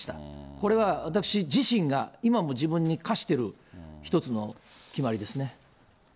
これは私自身が、今も自分に課してる一つの決まりですね。